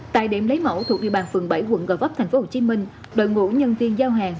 tại điểm lấy mẫu thuộc địa bàn phường bảy quận gò vấp tp hcm đội ngũ nhân viên giao hàng